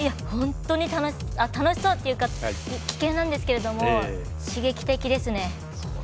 本当に楽しそうっていうか危険なんですけど刺激的ですね。